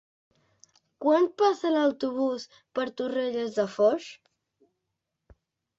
Quan passa l'autobús per Torrelles de Foix?